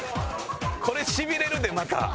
これしびれるでまた。